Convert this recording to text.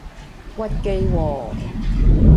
屈機喎!